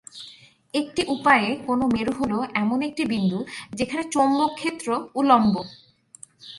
একটি উপায়ে কোন মেরু হল এমন একটি বিন্দু যেখানে চৌম্বক ক্ষেত্র উলম্ব।